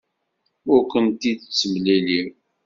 Ur ken-id-ttemliliɣ.